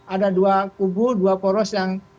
ada dua kubu dua poros yang